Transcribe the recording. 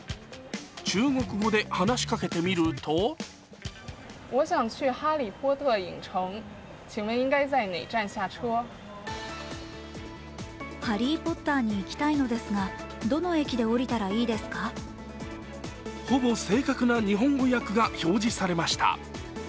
中国語で話しかけてみるとほぼ正確な日本語訳が表示されました。